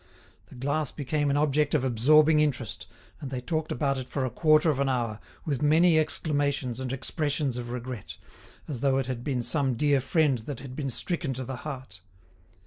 The glass became an object of absorbing interest, and they talked about it for a quarter of an hour, with many exclamations and expressions of regret, as though it had been some dear friend that had been stricken to the heart.